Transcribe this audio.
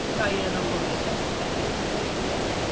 Diana looked at him speculatively.